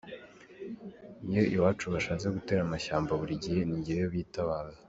Iyo iwacu bashatse gutera amashyamba buri gihe ni jyewe bitabaza".